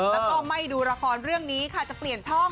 แล้วก็ไม่ดูละครเรื่องนี้ค่ะจะเปลี่ยนช่อง